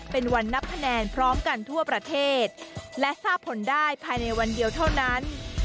เป็นวันนับคะแนนพร้อมกันทั่วประเทศและทราบผลได้ภายในวันเดียวเท่านั้น